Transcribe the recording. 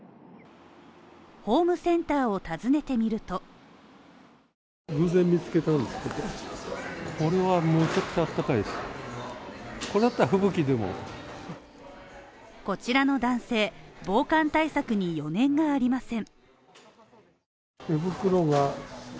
ホームセンターを訪ねてみるとこちらの男性防寒対策に余念がありません